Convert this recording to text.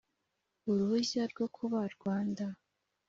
uruhushya rwo kuba rwanda